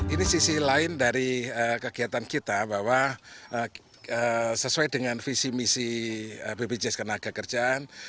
ini sisi lain dari kegiatan kita bahwa sesuai dengan visi misi bpjs kenagakerjaan